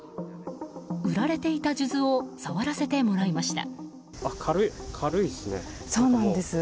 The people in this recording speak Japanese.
売られていた数珠を触らせてもらいました。